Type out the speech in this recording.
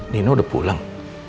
dino udah pulang